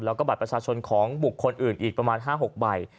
แล้วก็บัตรประชาชนของบุคคลอื่นอีกประมาณ๕๖ใบ